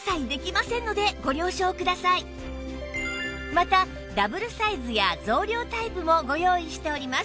またダブルサイズや増量タイプもご用意しております